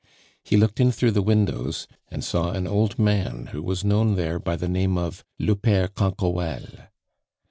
He looked in through the windows, and saw an old man who was known there by the name of le Pere Canquoelle.